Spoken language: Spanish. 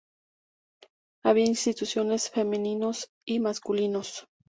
Había institutos femeninos y masculinos.